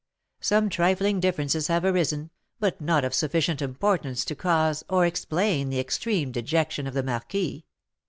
Some trifling differences have arisen, but not of sufficient importance to cause or explain the extreme dejection of the marquis."